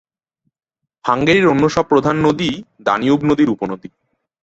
হাঙ্গেরির অন্য সব প্রধান নদীই দানিউব নদীর উপনদী।